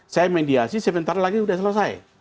saya mediasi sebentar lagi sudah selesai